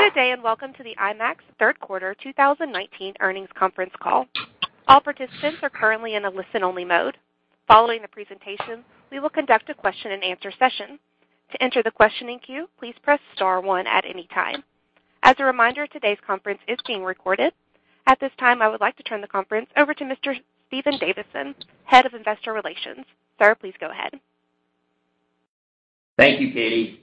Good day and welcome to the IMAX Third Quarter 2019 Earnings Conference Call. All participants are currently in a listen-only mode. Following the presentation, we will conduct a question-and-answer session. To enter the questioning queue, please press star one at any time. As a reminder, today's conference is being recorded. At this time, I would like to turn the conference over to Mr. Stephen Davidson, Head of Investor Relations. Sir, please go ahead. Thank you, Katie.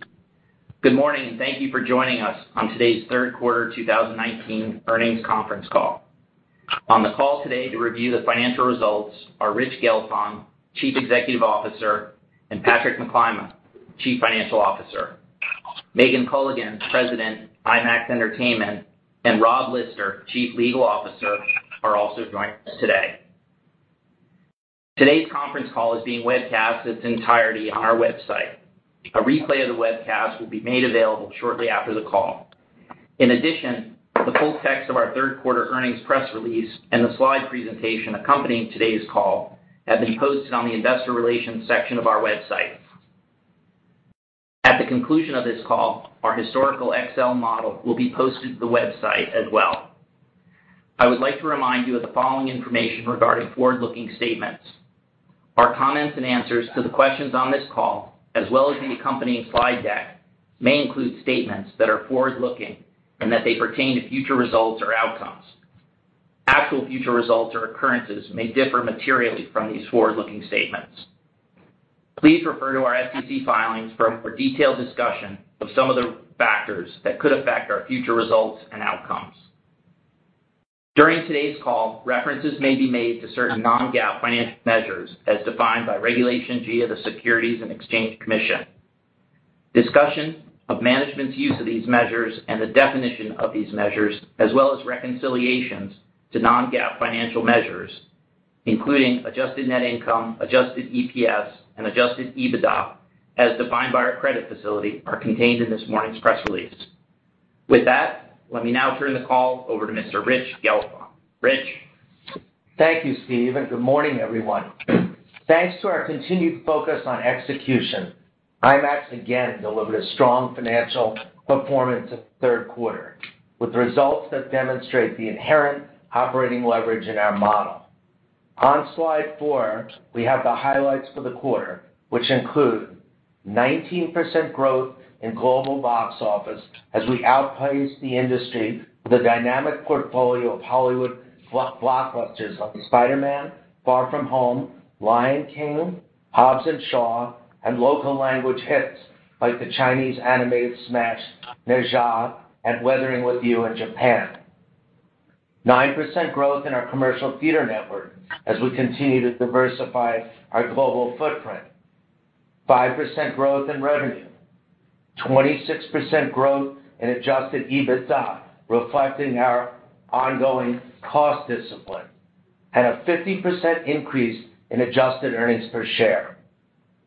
Good morning and thank you for joining us on today's third quarter 2019 earnings conference call. On the call today to review the financial results are Rich Gelfond, Chief Executive Officer, and Patrick McClymont, Chief Financial Officer. Megan Colligan, President of IMAX Entertainment, and Rob Lister, Chief Legal Officer, are also joining us today. Today's conference call is being webcast in its entirety on our website. A replay of the webcast will be made available shortly after the call. In addition, the full text of our third quarter earnings press release and the slide presentation accompanying today's call have been posted on the Investor Relations section of our website. At the conclusion of this call, our historical Excel model will be posted to the website as well. I would like to remind you of the following information regarding forward-looking statements. Our comments and answers to the questions on this call, as well as the accompanying slide deck, may include statements that are forward-looking and that they pertain to future results or outcomes. Actual future results or occurrences may differ materially from these forward-looking statements. Please refer to our SEC filings for a more detailed discussion of some of the factors that could affect our future results and outcomes. During today's call, references may be made to certain non-GAAP financial measures as defined by Regulation G of the Securities and Exchange Commission. Discussion of management's use of these measures and the definition of these measures, as well as reconciliations to non-GAAP financial measures, including adjusted net income, adjusted EPS, and adjusted EBITDA as defined by our credit facility, are contained in this morning's press release. With that, let me now turn the call over to Mr. Rich Gelfond. Rich? Thank you, Steve, and good morning, everyone. Thanks to our continued focus on execution, IMAX again delivered a strong financial performance in the third quarter with results that demonstrate the inherent operating leverage in our model. On Slide 4, we have the highlights for the quarter, which include 19% growth in global box office as we outpaced the industry with a dynamic portfolio of Hollywood blockbusters like Spider-Man: Far From Home, Lion King, Hobbs and Shaw, and local language hits like the Chinese animated smash Ne Zha and Weathering With You in Japan. 9% growth in our commercial theater network as we continue to diversify our global footprint. 5% growth in revenue. 26% growth in adjusted EBITDA, reflecting our ongoing cost discipline, and a 50% increase in adjusted earnings per share.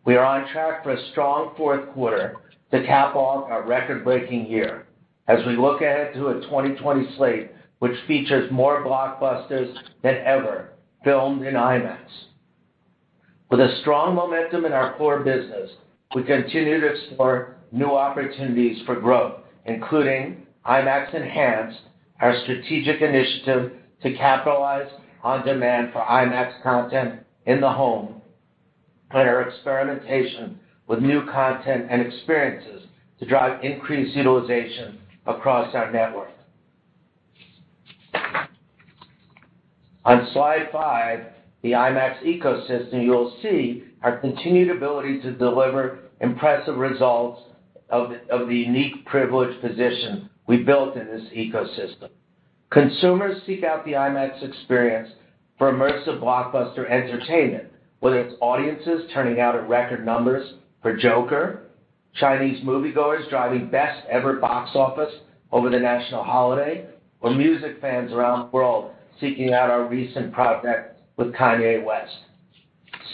We are on track for a strong fourth quarter to cap off our record-breaking year as we look ahead to a 2020 slate which features more blockbusters than ever filmed in IMAX. With a strong momentum in our core business, we continue to explore new opportunities for growth, including IMAX Enhanced, our strategic initiative to capitalize on demand for IMAX content in the home, and our experimentation with new content and experiences to drive increased utilization across our network. On Slide 5, the IMAX ecosystem, you'll see our continued ability to deliver impressive results of the unique privileged position we built in this ecosystem. Consumers seek out the IMAX experience for immersive blockbuster entertainment, whether it's audiences turning out at record numbers for Joker, Chinese moviegoers driving best-ever box office over the national holiday, or music fans around the world seeking out our recent project with Kanye West.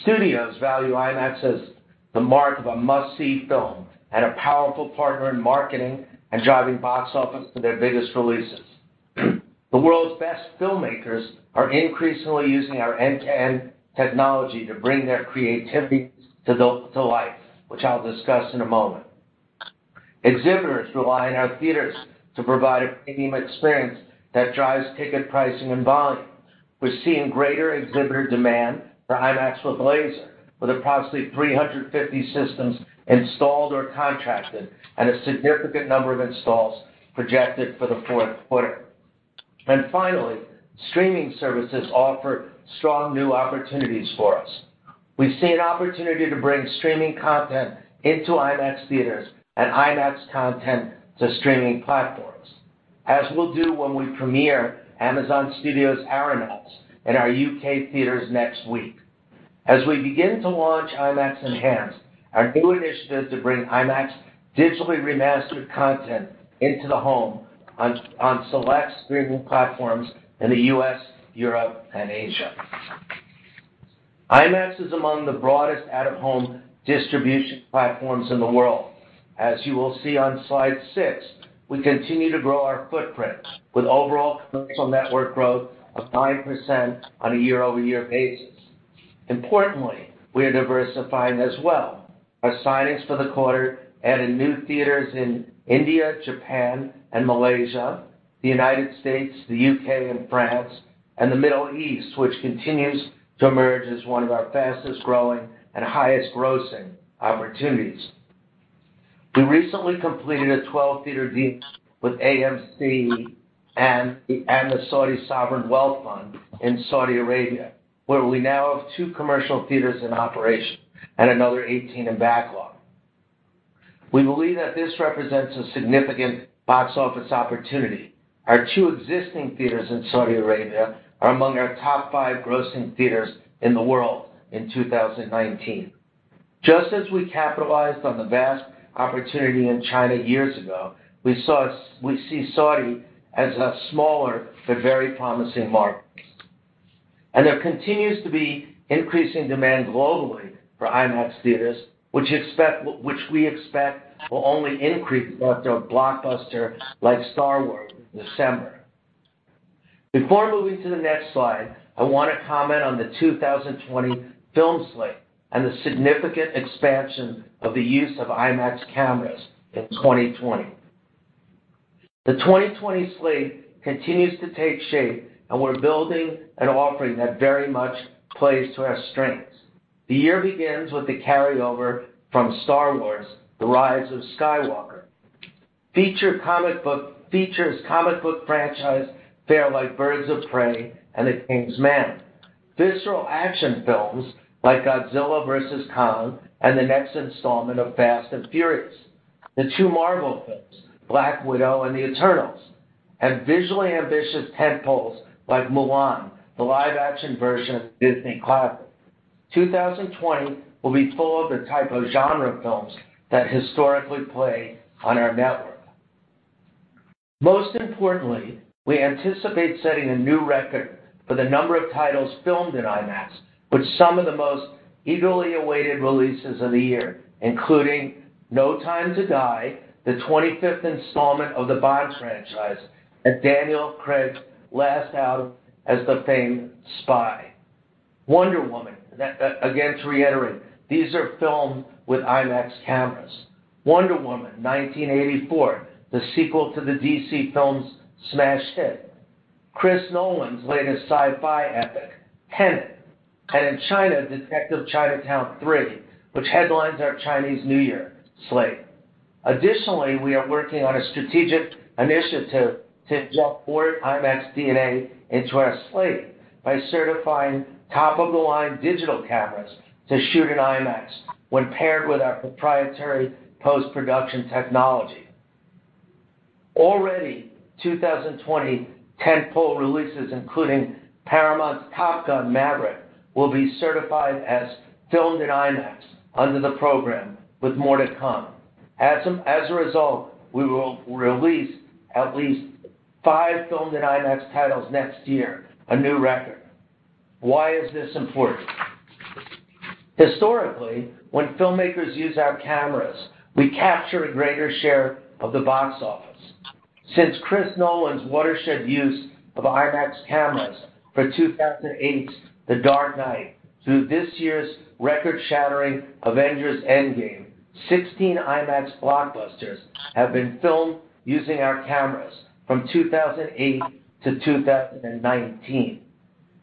Studios value IMAX as the mark of a must-see film and a powerful partner in marketing and driving box office for their biggest releases. The world's best filmmakers are increasingly using our end-to-end technology to bring their creativity to life, which I'll discuss in a moment. Exhibitors rely on our theaters to provide a premium experience that drives ticket pricing and volume. We're seeing greater exhibitor demand for IMAX with Laser, with approximately 350 systems installed or contracted and a significant number of installs projected for the fourth quarter. And finally, streaming services offer strong new opportunities for us. We see an opportunity to bring streaming content into IMAX theaters and IMAX content to streaming platforms, as we'll do when we premiere Amazon Studios' Aeronauts in our U.K. theaters next week. As we begin to launch IMAX Enhanced, our new initiative to bring IMAX digitally remastered content into the home on select streaming platforms in the U.S., Europe, and Asia. IMAX is among the broadest out-of-home distribution platforms in the world. As you will see on Slide 6, we continue to grow our footprint with overall commercial network growth of 9% on a year-over-year basis. Importantly, we are diversifying as well. Our signings for the quarter added new theaters in India, Japan, and Malaysia, the United States, the U.K., and France, and the Middle East, which continues to emerge as one of our fastest-growing and highest-grossing opportunities. We recently completed a 12-theater deal with AMC and the Saudi Sovereign Wealth Fund in Saudi Arabia, where we now have two commercial theaters in operation and another 18 in backlog. We believe that this represents a significant box office opportunity. Our two existing theaters in Saudi Arabia are among our top five grossing theaters in the world in 2019. Just as we capitalized on the vast opportunity in China years ago, we see Saudi as a smaller but very promising market. And there continues to be increasing demand globally for IMAX theaters, which we expect will only increase after a blockbuster like Star Wars in December. Before moving to the next slide, I want to comment on the 2020 film slate and the significant expansion of the use of IMAX cameras in 2020. The 2020 slate continues to take shape, and we're building an offering that very much plays to our strengths. The year begins with the carryover from Star Wars: The Rise of Skywalker. Feature comic book franchise fare like Birds of Prey and The King's Man. Visceral action films like Godzilla vs. Kong and the next installment of Fast and Furious. The two Marvel films, Black Widow and The Eternals, and visually ambitious tentpoles like Mulan, the live-action version of Disney classic. 2020 will be full of the type of genre films that historically play on our network. Most importantly, we anticipate setting a new record for the number of titles filmed in IMAX, which some of the most eagerly awaited releases of the year, including No Time to Die, the 25th installment of the Bond franchise, and Daniel Craig's last outing as the famed spy. Wonder Woman, again to reiterate, these are filmed with IMAX cameras. Wonder Woman 1984, the sequel to the DC Films' smash hit. Chris Nolan's latest sci-fi epic, Tenet, and in China, Detective Chinatown 3, which headlines our Chinese New Year slate. Additionally, we are working on a strategic initiative to inject more IMAX DNA into our slate by certifying top-of-the-line digital cameras to shoot in IMAX when paired with our proprietary post-production technology. Already, 2020 tentpole releases, including Paramount's Top Gun: Maverick, will be certified as filmed in IMAX under the program, with more to come. As a result, we will release at least five filmed in IMAX titles next year, a new record. Why is this important? Historically, when filmmakers use our cameras, we capture a greater share of the box office. Since Chris Nolan's watershed use of IMAX cameras for 2008's The Dark Knight through this year's record-shattering Avengers: Endgame, 16 IMAX blockbusters have been filmed using our cameras from 2008 to 2019.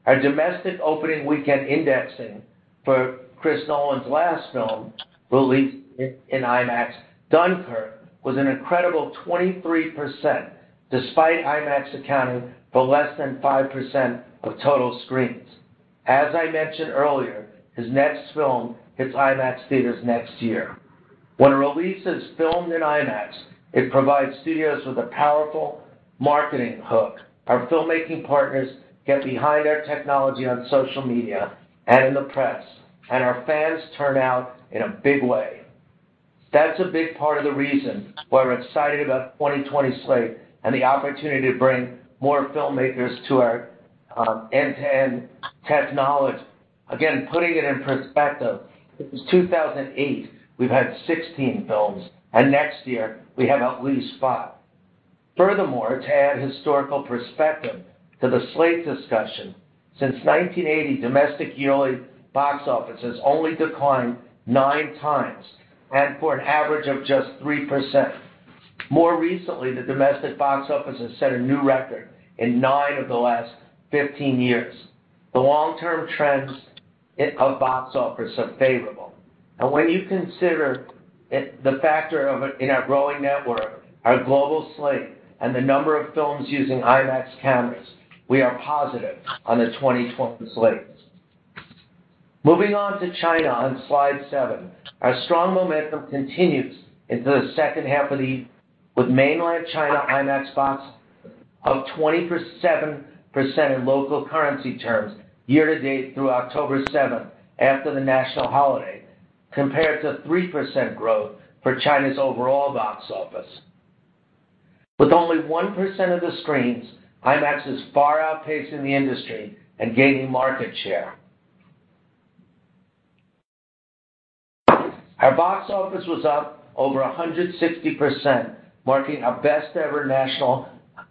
Our domestic opening weekend indexing for Chris Nolan's last film released in IMAX, Dunkirk, was an incredible 23%, despite IMAX accounting for less than 5% of total screens. As I mentioned earlier, his next film hits IMAX theaters next year. When a release is filmed in IMAX, it provides studios with a powerful marketing hook. Our filmmaking partners get behind our technology on social media and in the press, and our fans turn out in a big way. That's a big part of the reason why we're excited about the 2020 slate and the opportunity to bring more filmmakers to our end-to-end technology. Again, putting it in perspective, since 2008, we've had 16 films, and next year we have at least five. Furthermore, to add historical perspective to the slate discussion, since 1980, domestic yearly box offices only declined nine times and for an average of just 3%. More recently, the domestic box office has set a new record in nine of the last 15 years. The long-term trends of box office are favorable, and when you consider the factor in our growing network, our global slate, and the number of films using IMAX cameras, we are positive on the 2020 slate. Moving on to China on Slide 7, our strong momentum continues into the second half of the year with mainland China IMAX box office up 27% in local currency terms year-to-date through October 7th after the national holiday, compared to 3% growth for China's overall box office. With only 1% of the screens, IMAX is far outpacing the industry and gaining market share. Our box office was up over 160%, marking our best-ever national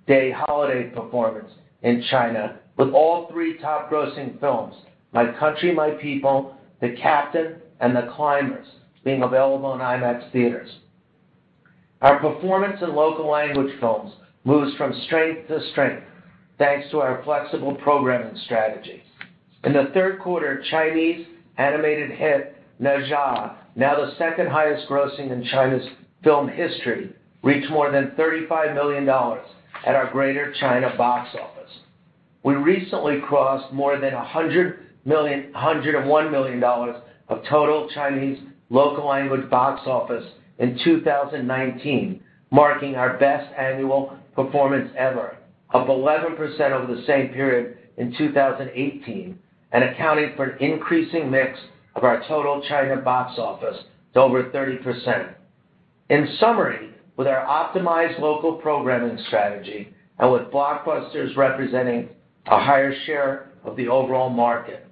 day holiday performance in China, with all three top-grossing films, My People, My Country, The Captain, and The Climbers, being available on IMAX theaters. Our performance in local language films moves from strength to strength, thanks to our flexible programming strategy. In the third quarter, Chinese animated hit Ne Zha, now the second highest-grossing in China's film history, reached more than $35 million at our Greater China box office. We recently crossed more than $101 million of total Chinese local language box office in 2019, marking our best annual performance ever, up 11% over the same period in 2018, and accounting for an increasing mix of our total China box office to over 30%. In summary, with our optimized local programming strategy and with blockbusters representing a higher share of the overall market,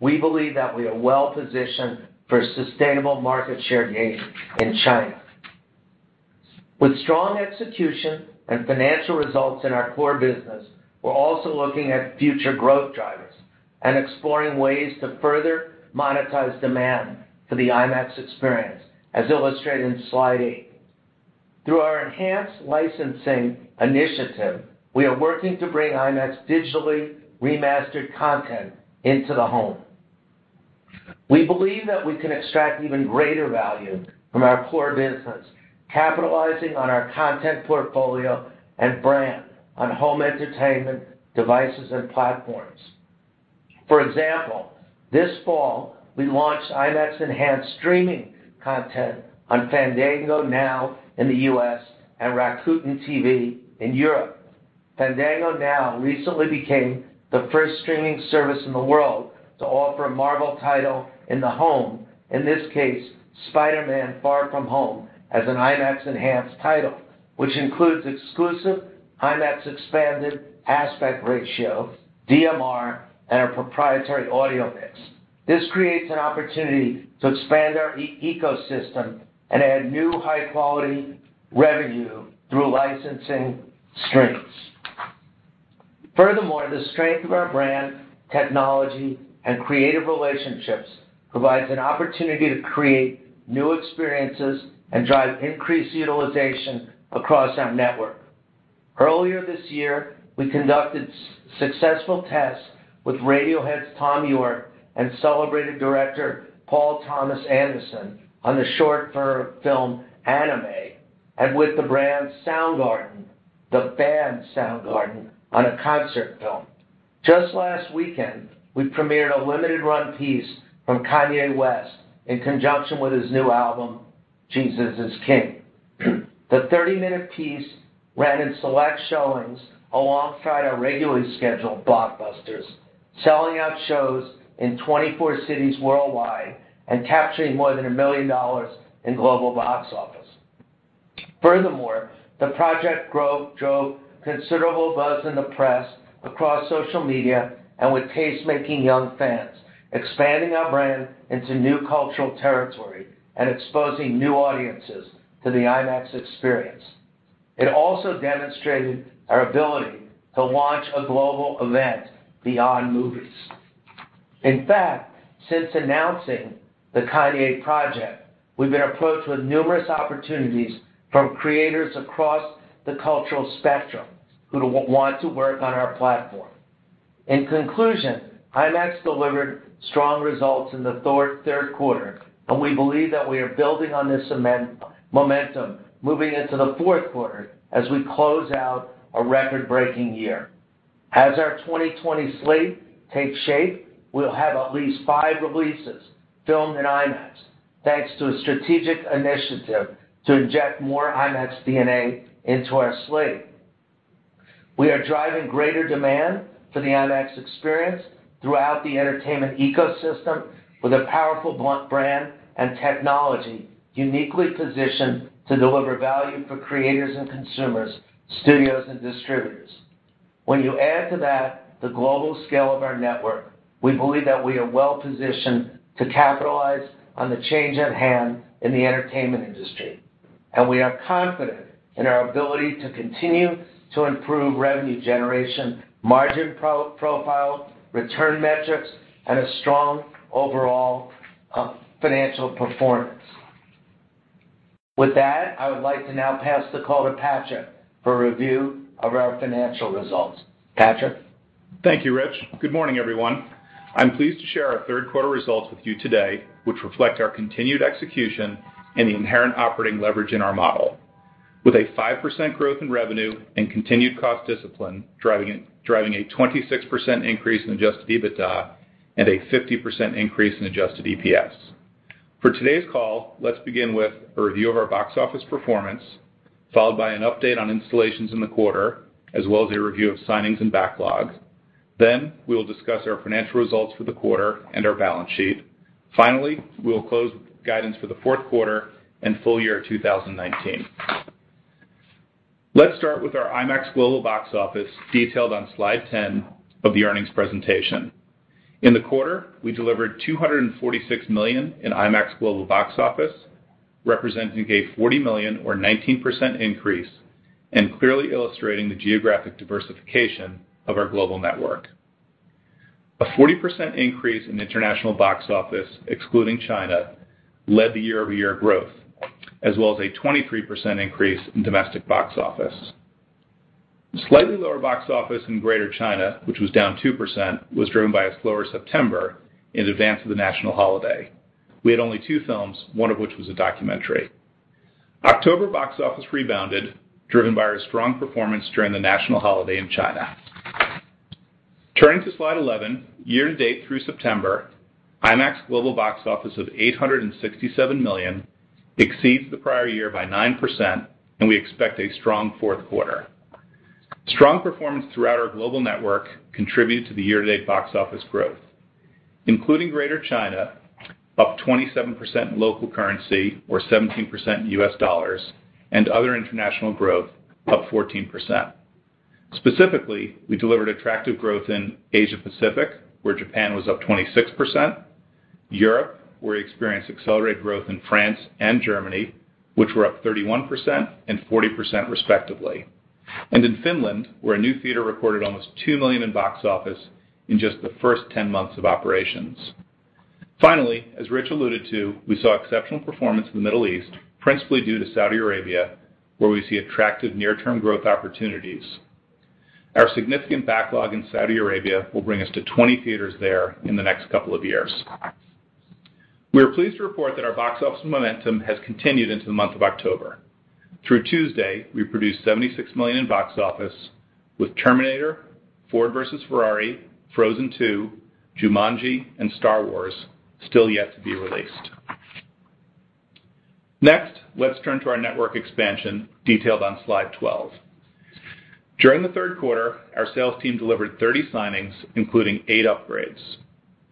we believe that we are well-positioned for sustainable market share gains in China. With strong execution and financial results in our core business, we're also looking at future growth drivers and exploring ways to further monetize demand for the IMAX experience, as illustrated in Slide 8. Through our enhanced licensing initiative, we are working to bring IMAX digitally remastered content into the home. We believe that we can extract even greater value from our core business, capitalizing on our content portfolio and brand on home entertainment devices and platforms. For example, this fall, we launched IMAX Enhanced streaming content on FandangoNOW in the U.S. and Rakuten TV in Europe. FandangoNOW recently became the first streaming service in the world to offer a Marvel title in the home, in this case, Spider-Man: Far From Home, as an IMAX Enhanced title, which includes exclusive IMAX expanded aspect ratio, DMR, and our proprietary audio mix. This creates an opportunity to expand our ecosystem and add new high-quality revenue through licensing streams. Furthermore, the strength of our brand, technology, and creative relationships provides an opportunity to create new experiences and drive increased utilization across our network. Earlier this year, we conducted successful tests with Radiohead's Thom Yorke and celebrated director Paul Thomas Anderson on the short-form film Anima, and with the band's Soundgarden, the band Soundgarden, on a concert film. Just last weekend, we premiered a limited-run piece from Kanye West in conjunction with his new album, Jesus Is King. The 30-minute piece ran in select showings alongside our regularly scheduled blockbusters, selling out shows in 24 cities worldwide and capturing more than $1 million in global box office. Furthermore, the project drove considerable buzz in the press, across social media, and with tastemaking young fans, expanding our brand into new cultural territory and exposing new audiences to the IMAX experience. It also demonstrated our ability to launch a global event beyond movies. In fact, since announcing the Kanye project, we've been approached with numerous opportunities from creators across the cultural spectrum who want to work on our platform. In conclusion, IMAX delivered strong results in the third quarter, and we believe that we are building on this momentum moving into the fourth quarter as we close out a record-breaking year. As our 2020 slate takes shape, we'll have at least five releases filmed in IMAX, thanks to a strategic initiative to inject more IMAX DNA into our slate. We are driving greater demand for the IMAX experience throughout the entertainment ecosystem with a powerful brand and technology uniquely positioned to deliver value for creators and consumers, studios, and distributors. When you add to that the global scale of our network, we believe that we are well-positioned to capitalize on the change at hand in the entertainment industry. And we are confident in our ability to continue to improve revenue generation, margin profile, return metrics, and a strong overall financial performance. With that, I would like to now pass the call to Patrick for a review of our financial results. Patrick? Thank you, Rich. Good morning, everyone. I'm pleased to share our third-quarter results with you today, which reflect our continued execution and the inherent operating leverage in our model, with a 5% growth in revenue and continued cost discipline driving a 26% increase in adjusted EBITDA and a 50% increase in adjusted EPS. For today's call, let's begin with a review of our box office performance, followed by an update on installations in the quarter, as well as a review of signings and backlog. Then we will discuss our financial results for the quarter and our balance sheet. Finally, we will close with guidance for the fourth quarter and full year 2019. Let's start with our IMAX global box office, detailed on Slide 10 of the earnings presentation. In the quarter, we delivered $246 million in IMAX global box office, representing a $40 million, or 19%, increase and clearly illustrating the geographic diversification of our global network. A 40% increase in international box office, excluding China, led the year-over-year growth, as well as a 23% increase in domestic box office. Slightly lower box office in Greater China, which was down 2%, was driven by a slower September in advance of the national holiday. We had only two films, one of which was a documentary. October box office rebounded, driven by our strong performance during the national holiday in China. Turning to Slide 11, year-to-date through September, IMAX global box office of $867 million exceeds the prior year by 9%, and we expect a strong fourth quarter. Strong performance throughout our global network contributed to the year-to-date box office growth, including Greater China, up 27% in local currency, or 17% in USD, and other international growth, up 14%. Specifically, we delivered attractive growth in Asia-Pacific, where Japan was up 26%. Europe, where we experienced accelerated growth in France and Germany, which were up 31% and 40%, respectively, and in Finland, where a new theater recorded almost $2 million in box office in just the first 10 months of operations. Finally, as Rich alluded to, we saw exceptional performance in the Middle East, principally due to Saudi Arabia, where we see attractive near-term growth opportunities. Our significant backlog in Saudi Arabia will bring us to 20 theaters there in the next couple of years. We are pleased to report that our box office momentum has continued into the month of October. Through Tuesday, we produced $76 million in box office, with Terminator, Ford v Ferrari, Frozen 2, Jumanji, and Star Wars, still yet to be released. Next, let's turn to our network expansion, detailed on Slide 12. During the third quarter, our sales team delivered 30 signings, including eight upgrades.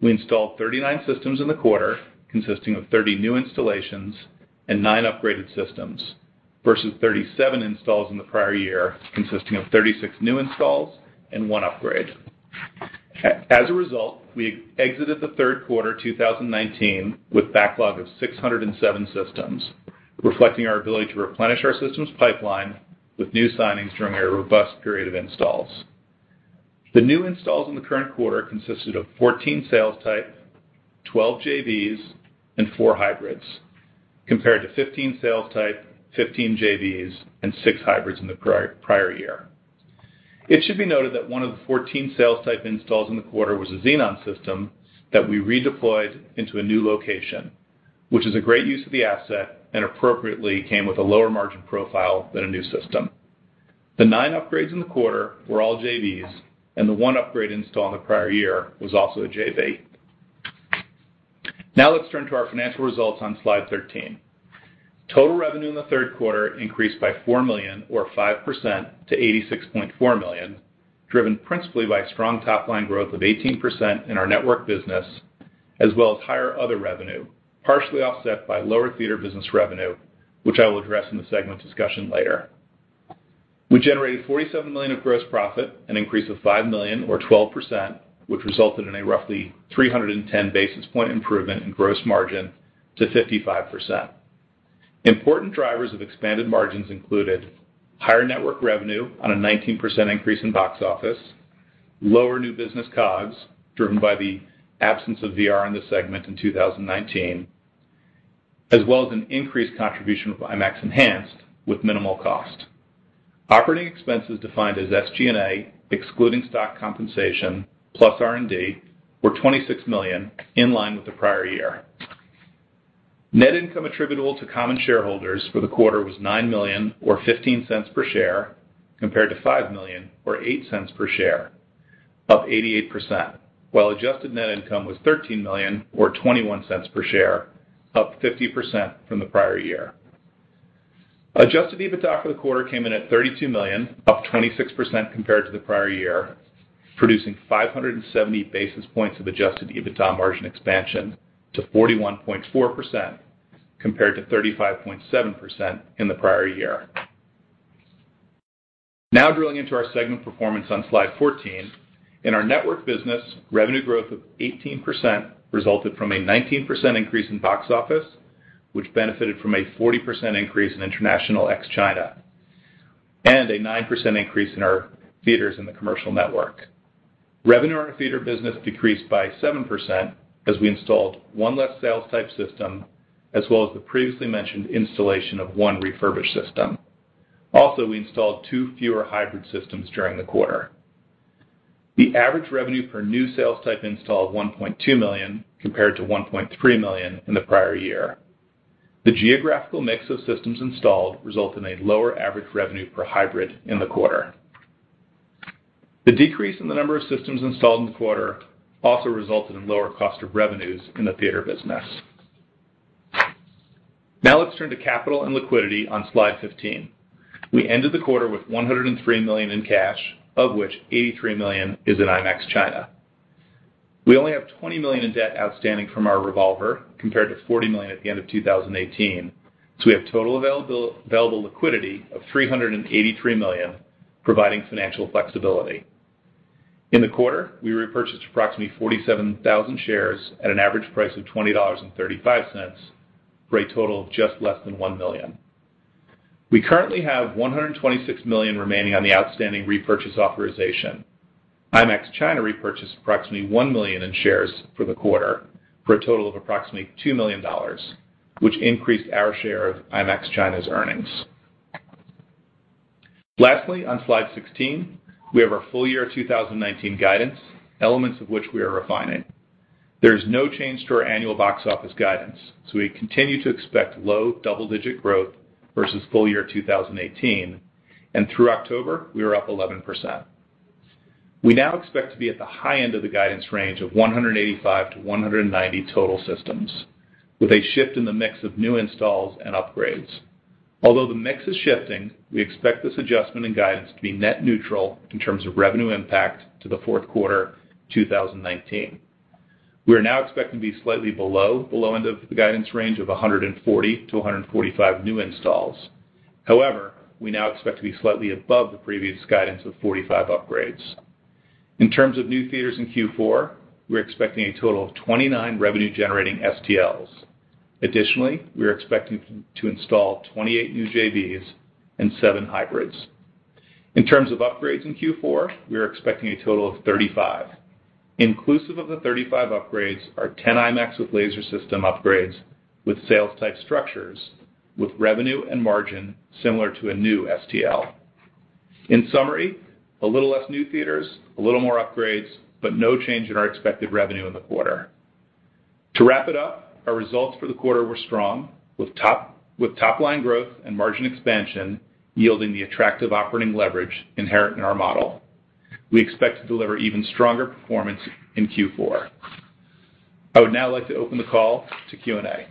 We installed 39 systems in the quarter, consisting of 30 new installations and nine upgraded systems, versus 37 installs in the prior year, consisting of 36 new installs and one upgrade. As a result, we exited the third quarter 2019 with a backlog of 607 systems, reflecting our ability to replenish our systems pipeline with new signings during a robust period of installs. The new installs in the current quarter consisted of 14 sales type, 12 JVs, and four hybrids, compared to 15 sales type, 15 JVs, and six hybrids in the prior year. It should be noted that one of the 14 sales type installs in the quarter was a Xenon system that we redeployed into a new location, which is a great use of the asset and appropriately came with a lower margin profile than a new system. The nine upgrades in the quarter were all JVs, and the one upgrade install in the prior year was also a JV. Now let's turn to our financial results on Slide 13. Total revenue in the third quarter increased by $4 million, or 5%, to $86.4 million, driven principally by strong top-line growth of 18% in our Network business, as well as higher other revenue, partially offset by lower Theater business revenue, which I will address in the segment discussion later. We generated $47 million of gross profit, an increase of $5 million, or 12%, which resulted in a roughly 310 basis points improvement in gross margin to 55%. Important drivers of expanded margins included higher network revenue on a 19% increase in box office, lower new business COGS, driven by the absence of VR in the segment in 2019, as well as an increased contribution of IMAX Enhanced with minimal cost. Operating expenses defined as SG&A, excluding stock compensation plus R&D, were $26 million, in line with the prior year. Net income attributable to common shareholders for the quarter was $9 million, or $0.15 per share, compared to $5 million, or $0.08 per share, up 88%, while adjusted net income was $13 million, or $0.21 per share, up 50% from the prior year. Adjusted EBITDA for the quarter came in at $32 million, up 26% compared to the prior year, producing 570 basis points of adjusted EBITDA margin expansion to 41.4%, compared to 35.7% in the prior year. Now drilling into our segment performance on Slide 14, in our Network business, revenue growth of 18% resulted from a 19% increase in box office, which benefited from a 40% increase in international ex-China, and a 9% increase in our theaters in the commercial network. Revenue on our Theater business decreased by 7% as we installed one less sales type system, as well as the previously mentioned installation of one refurbished system. Also, we installed two fewer hybrid systems during the quarter. The average revenue per new sales type installed was $1.2 million, compared to $1.3 million in the prior year. The geographical mix of systems installed resulted in a lower average revenue per hybrid in the quarter. The decrease in the number of systems installed in the quarter also resulted in lower cost of revenues in the Theater business. Now let's turn to capital and liquidity on Slide 15. We ended the quarter with $103 million in cash, of which $83 million is in IMAX China. We only have $20 million in debt outstanding from our revolver, compared to $40 million at the end of 2018, so we have total available liquidity of $383 million, providing financial flexibility. In the quarter, we repurchased approximately 47,000 shares at an average price of $20.35, for a total of just less than $1 million. We currently have $126 million remaining on the outstanding repurchase authorization. IMAX China repurchased approximately 1 million in shares for the quarter, for a total of approximately $2 million, which increased our share of IMAX China's earnings. Lastly, on Slide 16, we have our full year 2019 guidance, elements of which we are refining. There is no change to our annual box office guidance, so we continue to expect low double-digit growth versus full year 2018, and through October, we were up 11%. We now expect to be at the high end of the guidance range of 185-190 total systems, with a shift in the mix of new installs and upgrades. Although the mix is shifting, we expect this adjustment in guidance to be net neutral in terms of revenue impact to the fourth quarter 2019. We are now expecting to be slightly below the low end of the guidance range of 140-145 new installs. However, we now expect to be slightly above the previous guidance of 45 upgrades. In terms of new theaters in Q4, we're expecting a total of 29 revenue-generating STLs. Additionally, we are expecting to install 28 new JVs and 7 hybrids. In terms of upgrades in Q4, we are expecting a total of 35. Inclusive of the 35 upgrades are 10 IMAX with Laser system upgrades with sales type structures, with revenue and margin similar to a new STL. In summary, a little less new theaters, a little more upgrades, but no change in our expected revenue in the quarter. To wrap it up, our results for the quarter were strong, with top-line growth and margin expansion yielding the attractive operating leverage inherent in our model. We expect to deliver even stronger performance in Q4. I would now like to open the call to Q&A.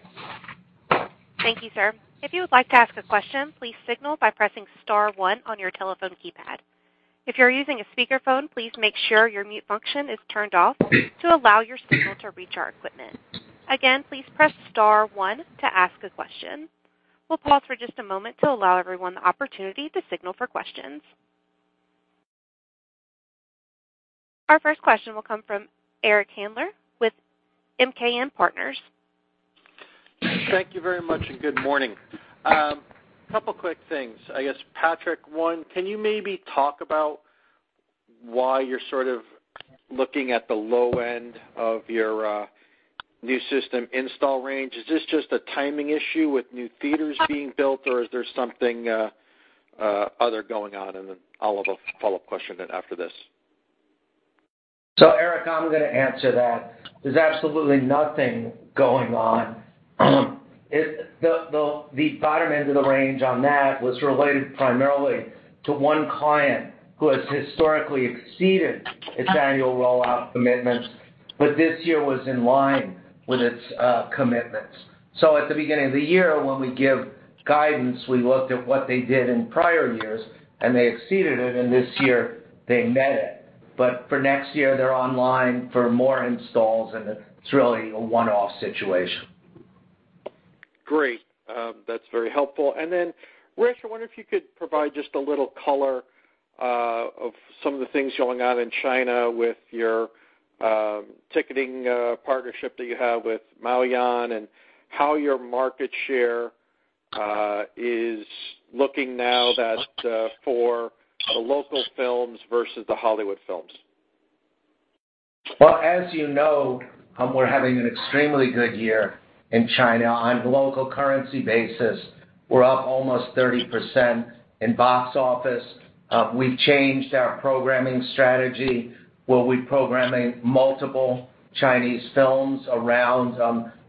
Thank you, sir. If you would like to ask a question, please signal by pressing star one on your telephone keypad. If you're using a speakerphone, please make sure your mute function is turned off to allow your signal to reach our equipment. Again, please press star one to ask a question. We'll pause for just a moment to allow everyone the opportunity to signal for questions. Our first question will come from Eric Handler with MKM Partners. Thank you very much and good morning. A couple of quick things. I guess, Patrick, one, can you maybe talk about why you're sort of looking at the low end of your new system install range? Is this just a timing issue with new theaters being built, or is there something other going on? And then I'll have a follow-up question after this. So, Eric, I'm going to answer that. There's absolutely nothing going on. The bottom end of the range on that was related primarily to one client who has historically exceeded its annual rollout commitments, but this year was in line with its commitments. So, at the beginning of the year, when we give guidance, we looked at what they did in prior years, and they exceeded it, and this year they met it. But for next year, they're online for more installs, and it's really a one-off situation. Great. That's very helpful. And then, Rich, I wonder if you could provide just a little color of some of the things going on in China with your ticketing partnership that you have with Maoyan and how your market share is looking now for the local films versus the Hollywood films? Well, as you know, we're having an extremely good year in China on a local currency basis. We're up almost 30% in box office. We've changed our programming strategy. We'll be programming multiple Chinese films around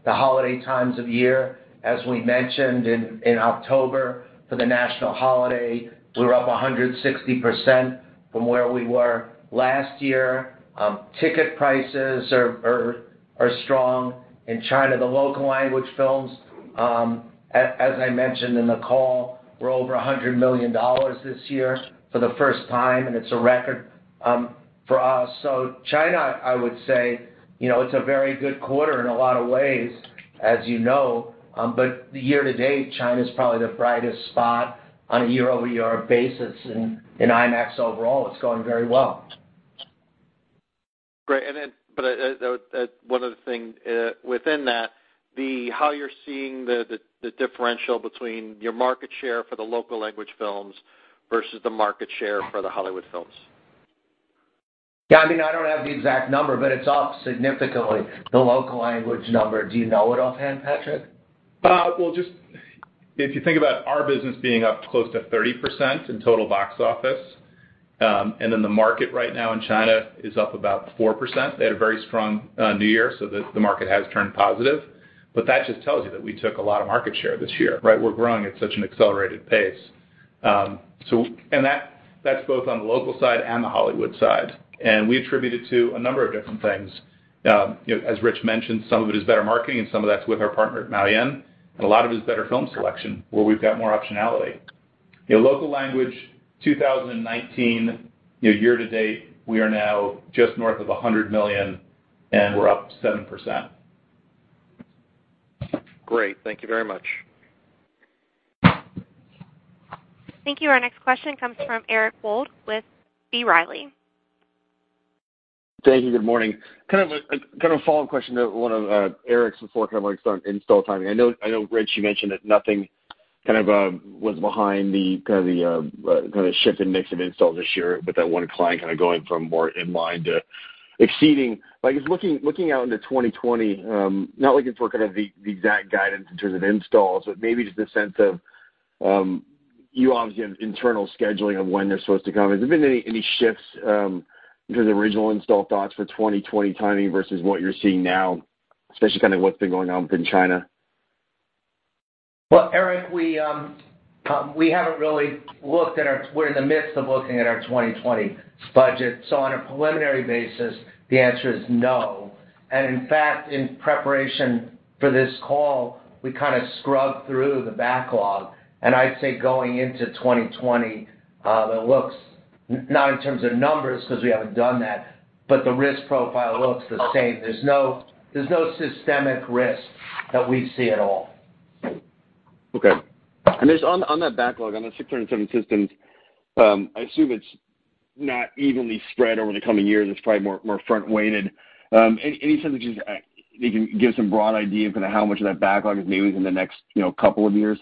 the holiday times of year. As we mentioned in October for the national holiday, we were up 160% from where we were last year. Ticket prices are strong in China. The local language films, as I mentioned in the call, were over $100 million this year for the first time, and it's a record for us. So, China, I would say, it's a very good quarter in a lot of ways, as you know, but year-to-date, China's probably the brightest spot on a year-over-year basis, and IMAX overall, it's going very well. Great. And then, but one other thing within that, how you're seeing the differential between your market share for the local language films versus the market share for the Hollywood films? Yeah. I mean, I don't have the exact number, but it's up significantly, the local language number. Do you know it offhand, Patrick? Well, just if you think about our business being up close to 30% in total box office, and then the market right now in China is up about 4%. They had a very strong New Year, so the market has turned positive. But that just tells you that we took a lot of market share this year, right? We're growing at such an accelerated pace. And that's both on the local side and the Hollywood side. And we attribute it to a number of different things. As Rich mentioned, some of it is better marketing, and some of that's with our partner at Maoyan, and a lot of it is better film selection, where we've got more optionality. Local language, 2019, year-to-date, we are now just north of $100 million, and we're up 7%. Great. Thank you very much. Thank you. Our next question comes from Eric Wold with B. Riley. Thank you. Good morning. Kind of a follow-up question to one of Eric's before, kind of like starting install timing. I know, Rich, you mentioned that nothing kind of was behind the kind of shift in mix of installs this year, with that one client kind of going from more in-line to exceeding. I guess, looking out into 2020, not looking for kind of the exact guidance in terms of installs, but maybe just the sense of you obviously have internal scheduling of when they're supposed to come. Has there been any shifts in terms of original install thoughts for 2020 timing versus what you're seeing now, especially kind of what's been going on within China? Eric, we haven't really looked at our. We're in the midst of looking at our 2020 budget. On a preliminary basis, the answer is no. And in fact, in preparation for this call, we kind of scrubbed through the backlog. And I'd say going into 2020, it looks not in terms of numbers, because we haven't done that, but the risk profile looks the same. There's no systemic risk that we see at all. Okay. And on that backlog, on the 670 systems, I assume it's not evenly spread over the coming years. It's probably more front-weighted. Any sense that you can give us a broad idea of kind of how much of that backlog is moving in the next couple of years?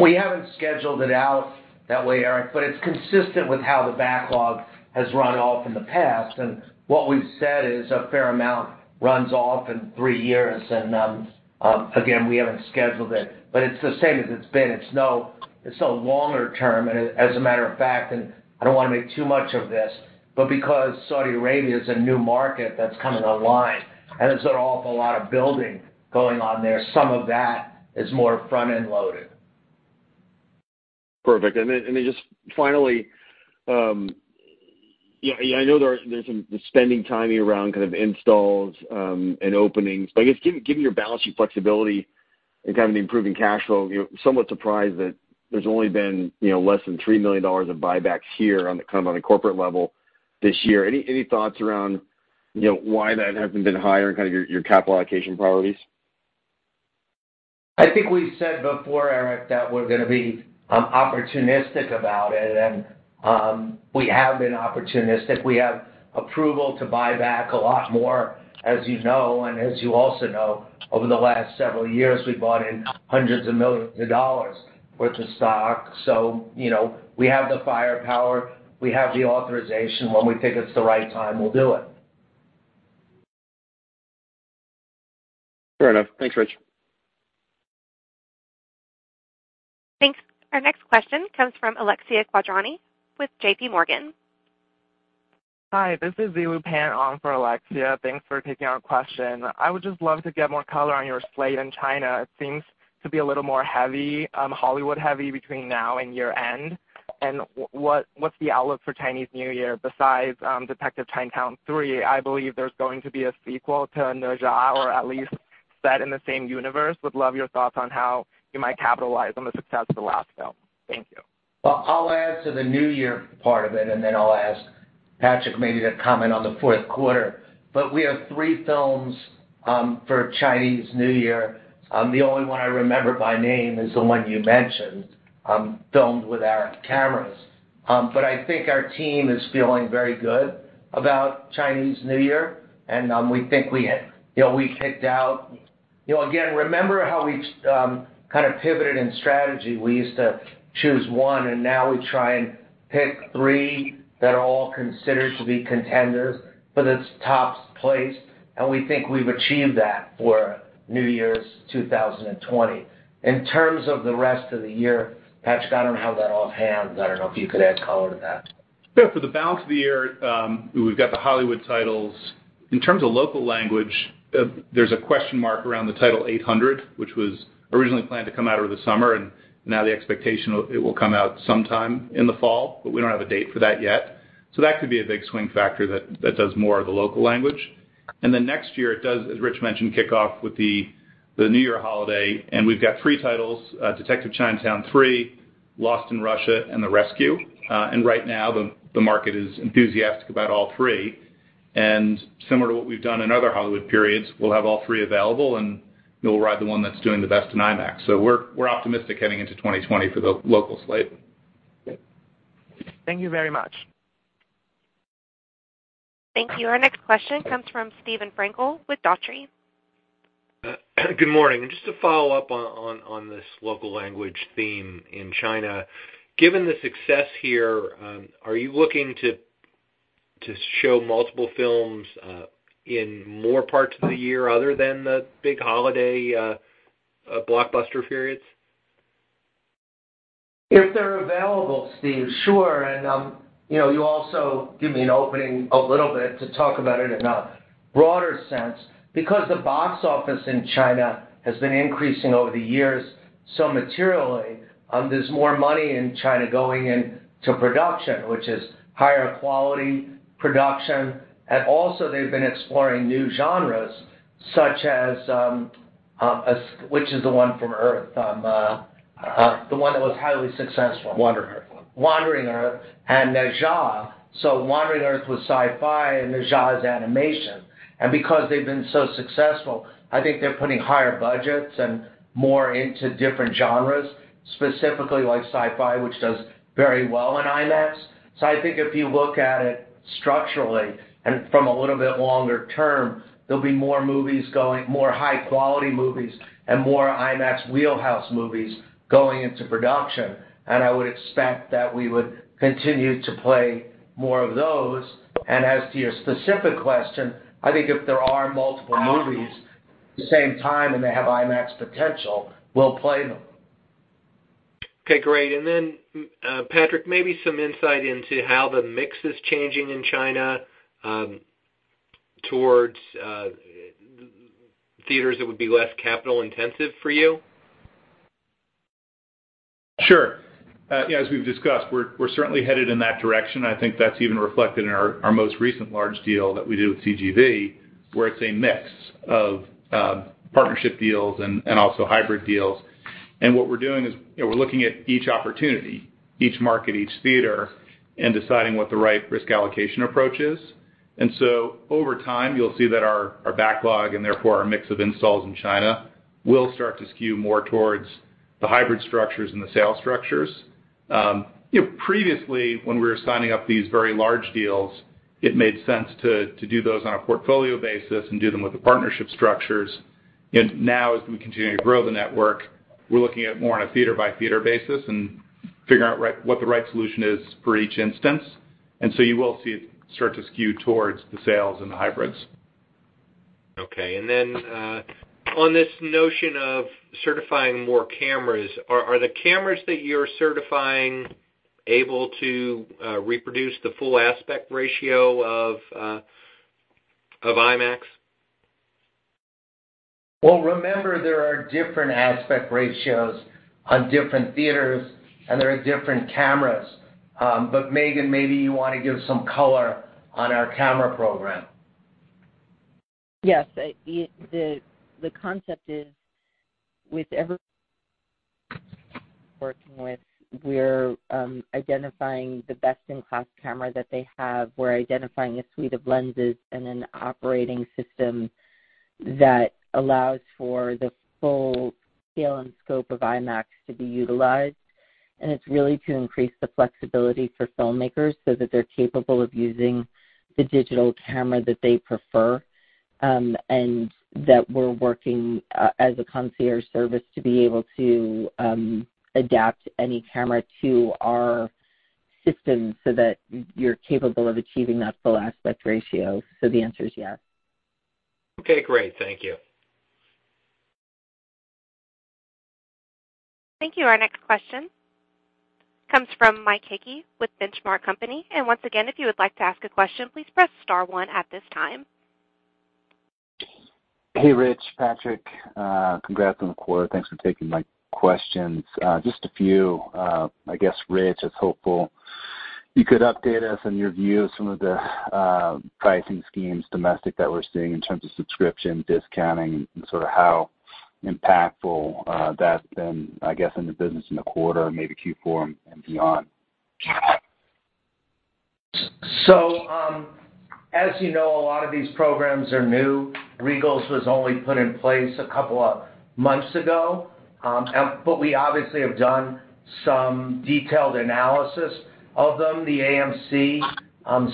We haven't scheduled it out that way, Eric, but it's consistent with how the backlog has run off in the past. What we've said is a fair amount runs off in three years. Again, we haven't scheduled it, but it's the same as it's been. It's a longer term, as a matter of fact. I don't want to make too much of this, but because Saudi Arabia is a new market that's coming online, and there's an awful lot of building going on there, some of that is more front-end loaded. Perfect. Then just finally, yeah, I know there's some spending timing around kind of installs and openings, but I guess, given your balance sheet flexibility and kind of the improving cash flow, somewhat surprised that there's only been less than $3 million of buybacks here, kind of on a corporate level this year. Any thoughts around why that hasn't been higher and kind of your capital allocation priorities? I think we said before, Eric, that we're going to be opportunistic about it, and we have been opportunistic. We have approval to buy back a lot more, as you know, and as you also know, over the last several years, we bought in hundreds of millions of dollars worth of stock. So we have the firepower. We have the authorization. When we think it's the right time, we'll do it. Fair enough. Thanks, Rich. Thanks. Our next question comes from Alexia Quadrani with JPMorgan. Hi. This is Zilu Pan for Alexia. Thanks for taking our question. I would just love to get more color on your slate in China. It seems to be a little more heavy, Hollywood-heavy, between now and year-end. And what's the outlook for Chinese New Year besides Detective Chinatown 3? I believe there's going to be a sequel to Ne Zha, or at least set in the same universe. Would love your thoughts on how you might capitalize on the success of the last film. Thank you. Well, I'll add to the New Year part of it, and then I'll ask Patrick maybe to comment on the fourth quarter. But we have three films for Chinese New Year. The only one I remember by name is the one you mentioned, filmed with our cameras. But I think our team is feeling very good about Chinese New Year, and we think we kicked out. Again, remember how we kind of pivoted in strategy? We used to choose one, and now we try and pick three that are all considered to be contenders for this top place, and we think we've achieved that for New Year's 2020. In terms of the rest of the year, Patrick, I don't have that offhand. I don't know if you could add color to that. Yeah. For the balance of the year, we've got the Hollywood titles. In terms of local language, there's a question mark around the title The Eight Hundred, which was originally planned to come out over the summer, and now the expectation is it will come out sometime in the fall, but we don't have a date for that yet. So that could be a big swing factor that does more of the local language. And then next year, it does, as Rich mentioned, kick off with the New Year holiday, and we've got three titles: Detective Chinatown 3, Lost in Russia, and The Rescue. And right now, the market is enthusiastic about all three. And similar to what we've done in other Hollywood periods, we'll have all three available, and we'll ride the one that's doing the best in IMAX. So we're optimistic heading into 2020 for the local slate. Thank you very much. Thank you. Our next question comes from Steven Frankel with Dougherty. Good morning. And just to follow-up on this local language theme in China, given the success here, are you looking to show multiple films in more parts of the year other than the big holiday blockbuster periods? If they're available, Steve. Sure. And you also give me an opening a little bit to talk about it in a broader sense. Because the box office in China has been increasing over the years, so materially, there's more money in China going into production, which is higher quality production. And also, they've been exploring new genres, such as which is the one from Earth, the one that was highly successful? Wandering Earth. Wandering Earth and Ne Zha. So Wandering Earth was sci-fi and Ne Zha is animation. And because they've been so successful, I think they're putting higher budgets and more into different genres, specifically like sci-fi, which does very well on IMAX. So I think if you look at it structurally and from a little bit longer term, there'll be more movies going, more high-quality movies and more IMAX wheelhouse movies going into production. And I would expect that we would continue to play more of those. And as to your specific question, I think if there are multiple movies at the same time and they have IMAX potential, we'll play them. Okay. Great. And then, Patrick, maybe some insight into how the mix is changing in China towards theaters that would be less capital-intensive for you? Sure. As we've discussed, we're certainly headed in that direction. I think that's even reflected in our most recent large deal that we did with CGV, where it's a mix of partnership deals and also hybrid deals. And what we're doing is we're looking at each opportunity, each market, each theater, and deciding what the right risk allocation approach is. And so over time, you'll see that our backlog and therefore our mix of installs in China will start to skew more towards the hybrid structures and the sales structures. Previously, when we were signing up these very large deals, it made sense to do those on a portfolio basis and do them with the partnership structures. Now, as we continue to grow the network, we're looking at it more on a theater-by-theater basis and figuring out what the right solution is for each instance, and so you will see it start to skew towards the sales and the hybrids. Okay, and then on this notion of certifying more cameras, are the cameras that you're certifying able to reproduce the full aspect ratio of IMAX, well, remember, there are different aspect ratios on different theaters, and there are different cameras, but Megan, maybe you want to give some color on our camera program? Yes. The concept is, with everyone we're working with, we're identifying the best-in-class camera that they have. We're identifying a suite of lenses and an operating system that allows for the full scale and scope of IMAX to be utilized. And it's really to increase the flexibility for filmmakers so that they're capable of using the digital camera that they prefer. And that we're working as a concierge service to be able to adapt any camera to our system so that you're capable of achieving that full aspect ratio. So the answer is yes. Okay. Great. Thank you. Thank you. Our next question comes from Mike Hickey with Benchmark Co. And once again, if you would like to ask a question, please press star one at this time. Hey, Rich. Patrick, congrats on the quarter. Thanks for taking my questions. Just a few. I guess, Rich, it's hopeful you could update us on your view of some of the pricing schemes domestic that we're seeing in terms of subscription, discounting, and sort of how impactful that's been, I guess, in the business in the quarter, maybe Q4 and beyond? So as you know, a lot of these programs are new. Regal's was only put in place a couple of months ago. But we obviously have done some detailed analysis of them. The AMC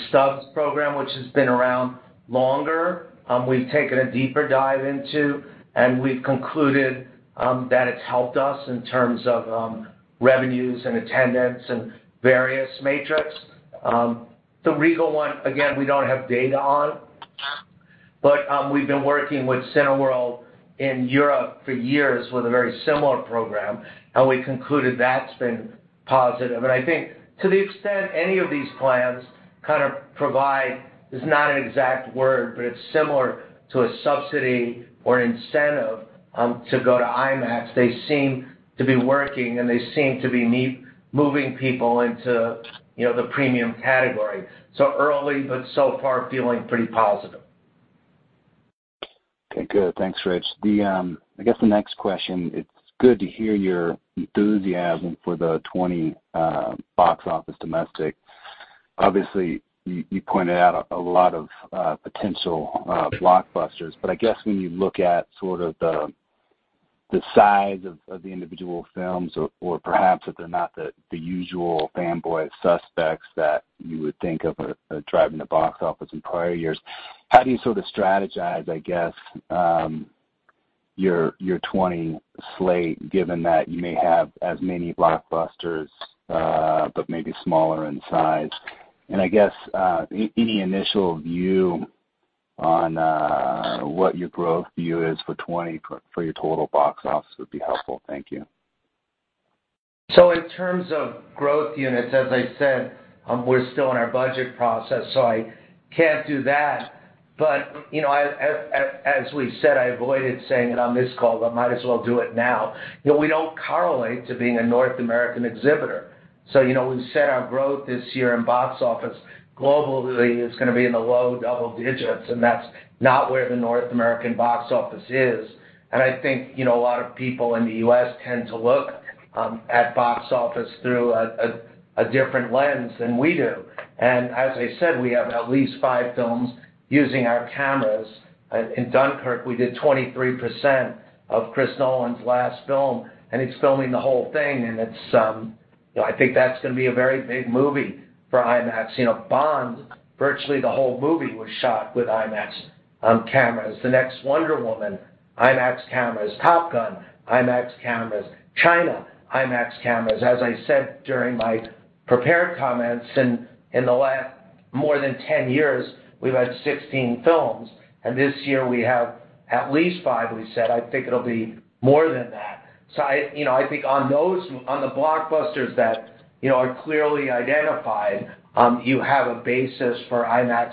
Stubs program, which has been around longer, we've taken a deeper dive into, and we've concluded that it's helped us in terms of revenues and attendance and various metrics. So Regal, again, we don't have data on. But we've been working with Cineworld in Europe for years with a very similar program, and we concluded that's been positive. And I think to the extent any of these plans kind of provide, it's not an exact word, but it's similar to a subsidy or an incentive to go to IMAX, they seem to be working, and they seem to be moving people into the premium category. So early, but so far feeling pretty positive. Okay. Good. Thanks, Rich. I guess the next question. It's good to hear your enthusiasm for the 2020 box office domestic. Obviously, you pointed out a lot of potential blockbusters. But I guess when you look at sort of the size of the individual films, or perhaps if they're not the usual fanboy suspects that you would think of driving the box office in prior years, how do you sort of strategize, I guess, your 2020 slate, given that you may have as many blockbusters but maybe smaller in size? And I guess any initial view on what your growth view is for 2020 for your total box office would be helpful. Thank you. So in terms of growth units, as I said, we're still in our budget process, so I can't do that. But as we said, I avoided saying it on this call, but I might as well do it now. We don't correlate to being a North American exhibitor. So we've set our growth this year in box office globally. It's going to be in the low double digits, and that's not where the North American box office is. And I think a lot of people in the U.S. tend to look at box office through a different lens than we do. And as I said, we have at least five films using our cameras. In Dunkirk, we did 23% of Chris Nolan's last film, and he's filming the whole thing. And I think that's going to be a very big movie for IMAX. Bond, virtually the whole movie was shot with IMAX cameras. The next Wonder Woman, IMAX cameras. Top Gun, IMAX cameras. China, IMAX cameras. As I said during my prepared comments, in the last more than 10 years, we've had 16 films, and this year we have at least five, we said. I think it'll be more than that. So I think on those, on the blockbusters that are clearly identified, you have a basis for IMAX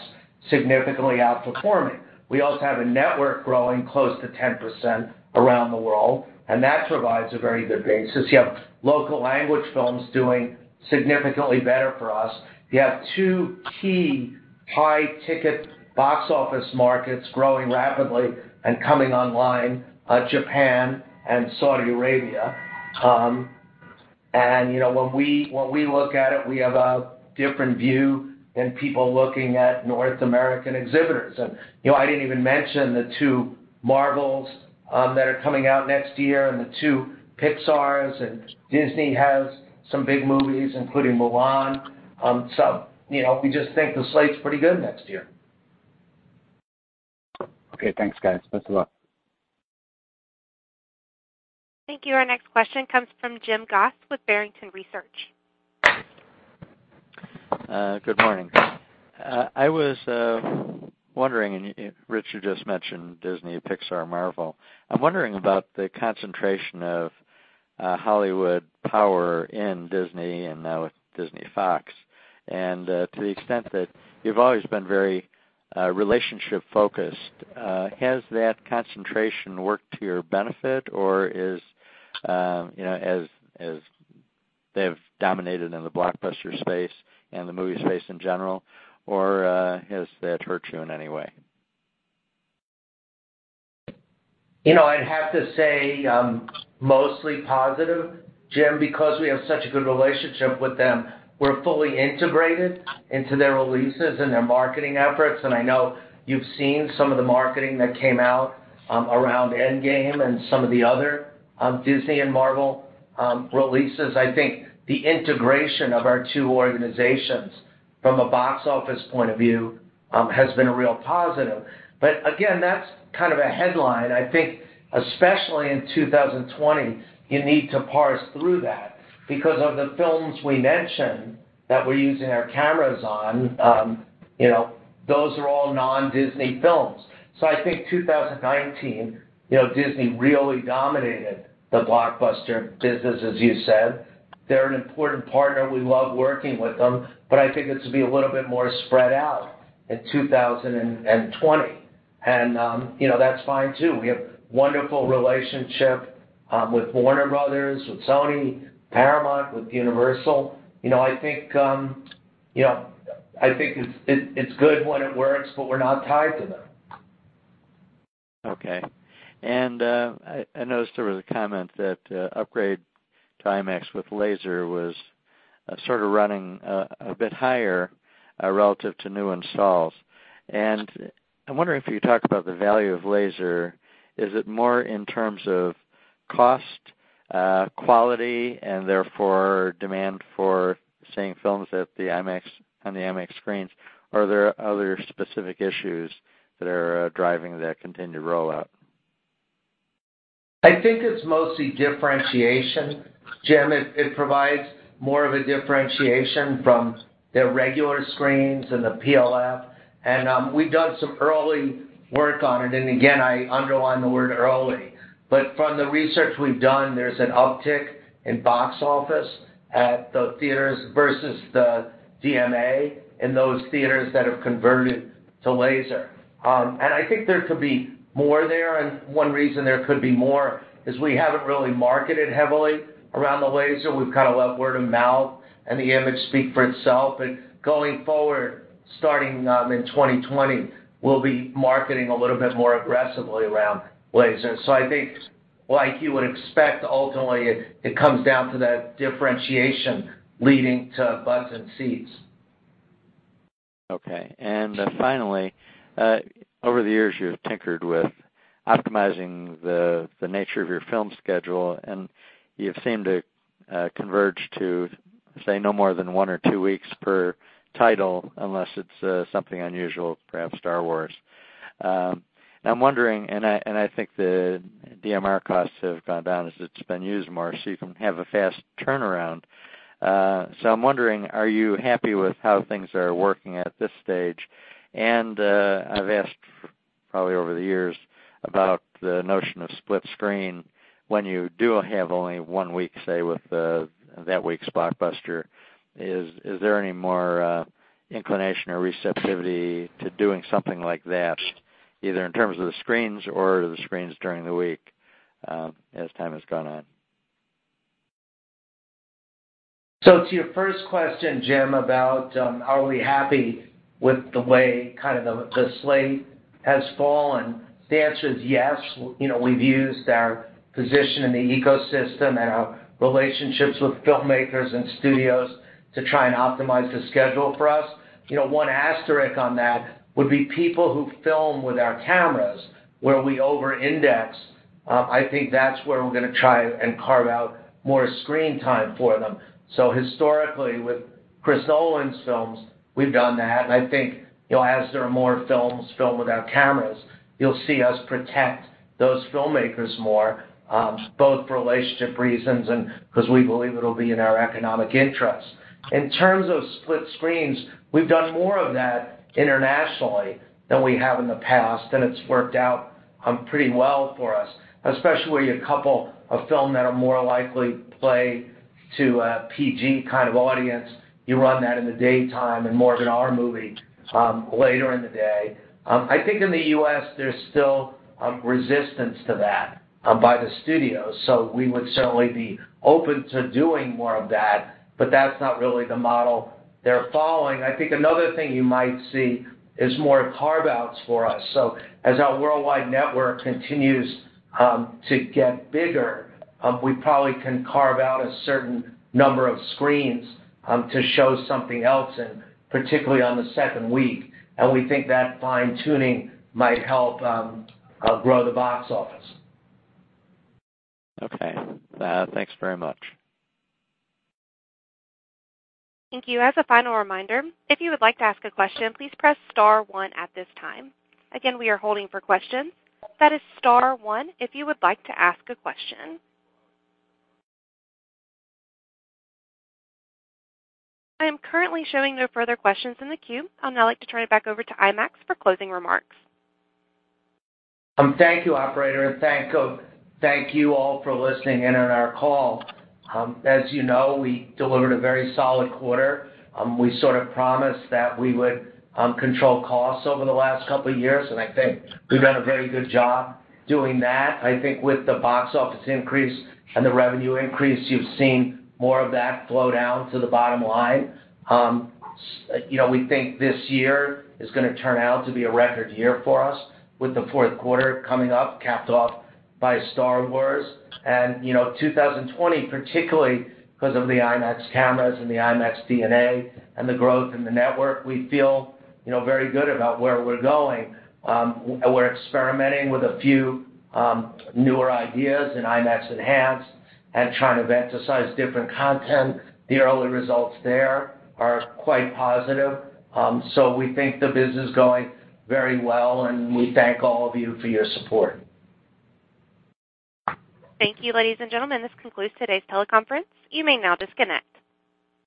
significantly outperforming. We also have a network growing close to 10% around the world, and that provides a very good basis. You have local language films doing significantly better for us. You have two key high-ticket box office markets growing rapidly and coming online: Japan and Saudi Arabia. And when we look at it, we have a different view than people looking at North American exhibitors. And I didn't even mention the two Marvels that are coming out next year and the two Pixars and Disney has some big movies, including Mulan. So we just think the slate's pretty good next year. Okay. Thanks, guys. Best of luck. Thank you. Our next question comes from Jim Goss with Barrington Research. Good morning. I was wondering, and Rich had just mentioned Disney, Pixar, Marvel. I'm wondering about the concentration of Hollywood power in Disney and now with Disney-Fox. And to the extent that you've always been very relationship-focused, has that concentration worked to your benefit, or as they've dominated in the blockbuster space and the movie space in general, or has that hurt you in any way? I'd have to say mostly positive, Jim, because we have such a good relationship with them. We're fully integrated into their releases and their marketing efforts. And I know you've seen some of the marketing that came out around Endgame and some of the other Disney and Marvel releases. I think the integration of our two organizations from a box office point of view has been a real positive. But again, that's kind of a headline. I think especially in 2020, you need to parse through that because of the films we mentioned that we're using our cameras on. Those are all non-Disney films, so I think 2019, Disney really dominated the blockbuster business, as you said. They're an important partner. We love working with them. But I think it's to be a little bit more spread out in 2020, and that's fine too. We have a wonderful relationship with Warner Bros, with Sony, Paramount, with Universal. I think it's good when it works, but we're not tied to them. Okay, and I noticed there was a comment that upgrade to IMAX with Laser was sort of running a bit higher relative to new installs. I'm wondering if you talk about the value of Laser. Is it more in terms of cost, quality, and therefore demand for, say, films on the IMAX screens? Or are there other specific issues that are driving that continued rollout? I think it's mostly differentiation. Jim, it provides more of a differentiation from their regular screens and the PLF. And we've done some early work on it. And again, I underline the word early. But from the research we've done, there's an uptick in box office at the theaters versus the DMA in those theaters that have converted to Laser. And I think there could be more there. And one reason there could be more is we haven't really marketed heavily around the Laser. We've kind of let word of mouth and the image speak for itself. Going forward, starting in 2020, we'll be marketing a little bit more aggressively around Laser. So I think, like you would expect, ultimately, it comes down to that differentiation leading to buzz and seats. Okay. Finally, over the years, you've tinkered with optimizing the nature of your film schedule, and you've seemed to converge to, say, no more than one or two weeks per title unless it's something unusual, perhaps Star Wars. I'm wondering, and I think the DMR costs have gone down as it's been used more, so you can have a fast turnaround. So I'm wondering, are you happy with how things are working at this stage? I've asked probably over the years about the notion of split screen. When you do have only one week, say, with that week's blockbuster, is there any more inclination or receptivity to doing something like that, either in terms of the screens or the screens during the week as time has gone on? So to your first question, Jim, about are we happy with the way kind of the slate has fallen, the answer is yes. We've used our position in the ecosystem and our relationships with filmmakers and studios to try and optimize the schedule for us. One asterisk on that would be people who film with our cameras where we over-index. I think that's where we're going to try and carve out more screen time for them. So historically, with Chris Nolan's films, we've done that. And I think as there are more films filmed with our cameras, you'll see us protect those filmmakers more, both for relationship reasons and because we believe it'll be in our economic interests. In terms of split screens, we've done more of that internationally than we have in the past, and it's worked out pretty well for us, especially where you couple a film that'll more likely play to a PG kind of audience. You run that in the daytime and more of an R movie later in the day. I think in the U.S., there's still resistance to that by the studios. So we would certainly be open to doing more of that, but that's not really the model they're following. I think another thing you might see is more carve-outs for us. So as our worldwide network continues to get bigger, we probably can carve out a certain number of screens to show something else, and particularly on the second week. And we think that fine-tuning might help grow the box office. Okay. Thanks very much. Thank you. As a final reminder, if you would like to ask a question, please press star one at this time. Again, we are holding for questions. That is star one if you would like to ask a question. I am currently showing no further questions in the queue. I'd now like to turn it back over to IMAX for closing remarks. Thank you, operator. And thank you all for listening in on our call. As you know, we delivered a very solid quarter. We sort of promised that we would control costs over the last couple of years, and I think we've done a very good job doing that. I think with the box office increase and the revenue increase, you've seen more of that flow down to the bottom line. We think this year is going to turn out to be a record year for us with the fourth quarter coming up, capped off by Star Wars. And 2020, particularly because of the IMAX cameras and the IMAX DNA and the growth in the network, we feel very good about where we're going. We're experimenting with a few newer ideas in IMAX Enhanced and trying to emphasize different content. The early results there are quite positive. So we think the business is going very well, and we thank all of you for your support. Thank you, ladies and gentlemen. This concludes today's teleconference. You may now disconnect.